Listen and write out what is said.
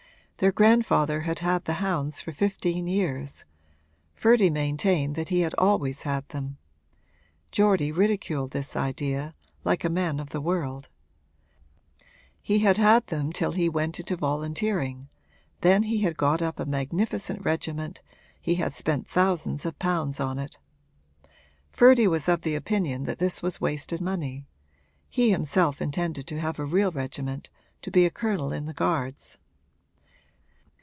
Their grandfather had had the hounds for fifteen years Ferdy maintained that he had always had them. Geordie ridiculed this idea, like a man of the world; he had had them till he went into volunteering then he had got up a magnificent regiment, he had spent thousands of pounds on it. Ferdy was of the opinion that this was wasted money he himself intended to have a real regiment, to be a colonel in the Guards.